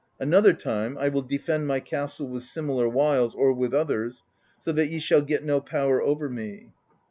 Another time I will defend my castle with similar wiles or with others, so that ye shall get no power over me.'